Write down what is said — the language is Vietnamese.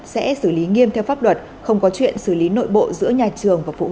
sẽ xử lý nghiêm theo pháp luật không có chuyện xử lý nội bộ giữa nhà trường và phụ nữ